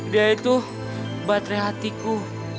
dia itu baterai hatiku